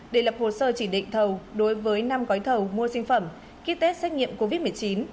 để lập hồ sơ chỉ định thầu đối với năm gói thầu mua sinh phẩm ký test xét nghiệm covid một mươi chín